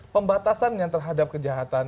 pembatasan yang terhadap kejahatan